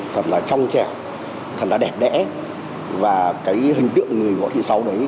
thật là trong trẻ thật là đẹp đẽ và cái hình tượng người võ thị sáu đấy